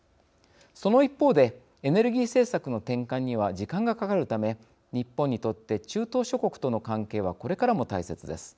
その一方でエネルギー政策の転換には時間がかかるため日本にとって中東諸国との関係はこれからも大切です。